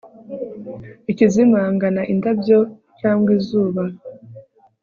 Ikizimangana indabyo cyangwa izuba